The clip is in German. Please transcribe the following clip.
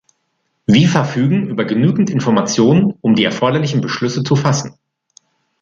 Wie verfügen über genügend Informationen, um die erforderlichen Beschlüsse zu fassen.